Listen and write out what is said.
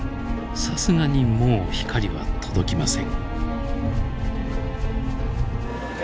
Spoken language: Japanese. さすがにもう光は届きません。